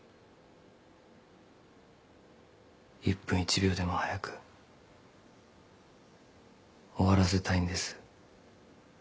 １分１秒でも早く終わらせたいんです。